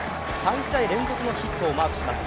３試合連続のヒットをマークします